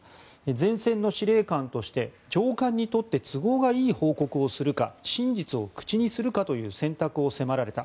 前線の司令官として上官にとって都合がいい報告をするか真実を口にするかという選択を迫られた。